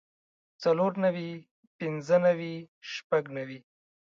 څلور نوي پنځۀ نوي شپږ نوي